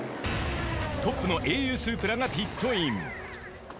トップのａｕスープラがピットイン。